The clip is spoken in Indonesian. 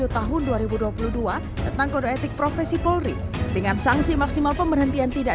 tahun dua ribu dua puluh dua tentang kode etik profesi polri dengan sanksi maksimal pemberhentian tidak